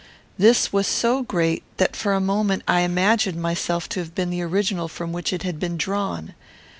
This was so great that for a moment I imagined myself to have been the original from which it had been drawn.